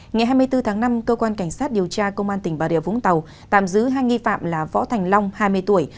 ngày hai mươi bốn tháng năm cơ quan cảnh sát điều tra công an tỉnh bà rịa vũng tàu tạm giữ hai nghi phạm là võ thành long hai mươi tuổi